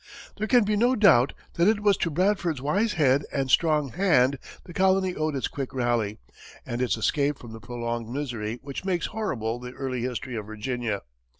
There can be no doubt that it was to Bradford's wise head and strong hand the colony owed its quick rally, and its escape from the prolonged misery which makes horrible the early history of Virginia.